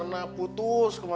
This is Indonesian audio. ya tak apa